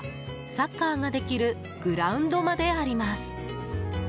サッカーができるグラウンドまであります。